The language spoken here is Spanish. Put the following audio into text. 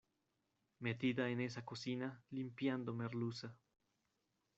metida en esa cocina, limpiando merluza.